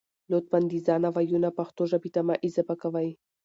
لطفاً د ځانه وييونه پښتو ژبې ته مه اضافه کوئ